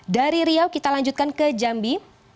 dari riau kita lanjutkan ke jambi